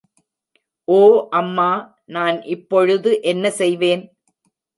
ஓ அம்மா, நான் இப்பொழுது என்ன செய்வேன்?